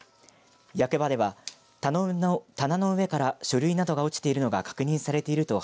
役場では棚の上から書類などが落ちているのが確認されている。